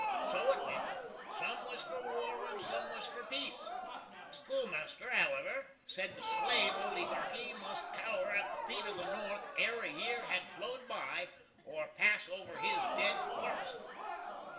So it went sum was for war, and sum was for peace. The skoolmaster, however, sed the Slave Oligarky must cower at the feet of the North ere a year had flowed by, or pass over his dead corpse.